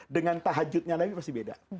dengan tahajudnya lagi pasti beda